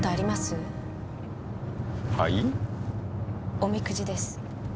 おみくじです。